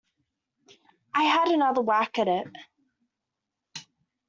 I had another whack at it.